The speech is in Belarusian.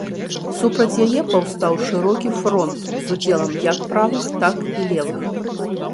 Супраць яе паўстаў шырокі фронт з удзелам як правых, так і левых.